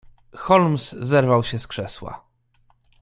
"Holmes zerwał się z krzesła."